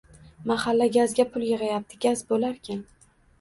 Mahalla gazga pul yigʻyapti gaz boʻlarkan.